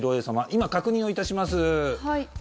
今、確認をいたします。